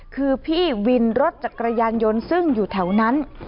คือพี่วินรถจักรยานยนต์ซึ่งอยู่แถวนั้น